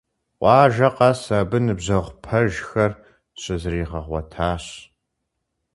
Къуажэ къэс абы ныбжьэгъу пэжхэр щызригъэгъуэтащ.